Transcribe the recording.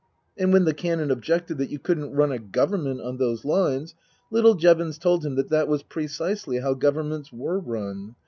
And when the Canon objected that you couldn't run a Government on those lines, little Jevons told him that that was precisely how Governments were run.